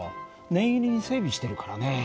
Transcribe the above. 念入りに整備してるからね。